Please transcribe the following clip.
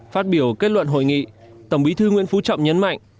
phát biểu kết luận hội nghị tổng bí thư nguyễn phú trọng nhấn mạnh